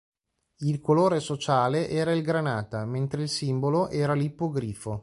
Il colore sociale era il granata, mentre il simbolo era l'ippogrifo.